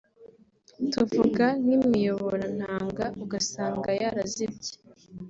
tuvuga nk’imiyoborantanga ugasanga yarazibye